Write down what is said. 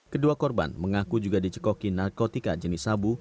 kedua korban mengaku juga dicekoki narkotika jenis sabu